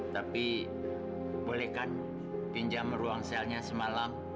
tapi bolehkan pinjam ruang selnya semalam